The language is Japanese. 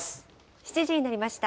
７時になりました。